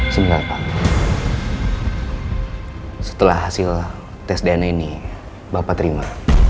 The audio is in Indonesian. sebenarnya pak setelah hasil tes dna ini bapak terima